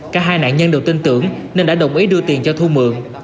cả hai nạn nhân đều tin tưởng nên đã đồng ý đưa tiền cho thu mượn